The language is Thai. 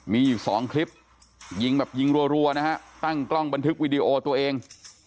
มีอยู่สองคลิปยิงแบบยิงรัวนะฮะตั้งกล้องบันทึกวิดีโอตัวเอง